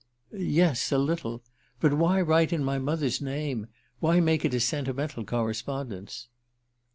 "Yes a little. But why write in my mother's name? Why make it a sentimental correspondence?"